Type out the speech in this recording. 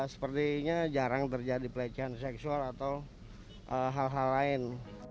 sepertinya jarang terjadi pelecehan seksual atau hal hal lain